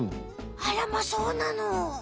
あらまそうなの！？